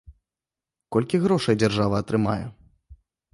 Колькі грошай дзяржава атрымае?